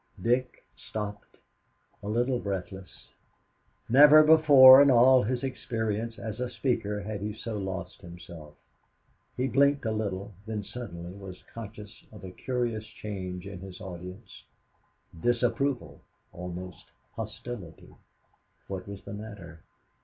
Dick stopped, a little breathless. Never before in all his experience as a speaker had he so lost himself. He blinked a little, then suddenly was conscious of a curious change in his audience disapproval almost hostility. What was the matter?